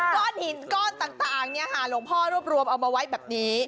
ก้อนหินก้อนต่างหลวงพ่อรวบรวมเอามาไว้แบบนี้